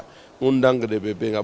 mengundang ke dpp enggak